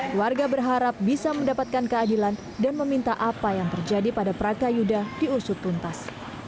keluarga berharap bisa mendapatkan keadilan dan meminta apa yang terjadi pada prakayuda diusut tuntas